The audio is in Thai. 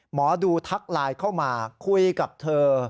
หมอดูทักไลน์เข้ามาคุยกับเธอ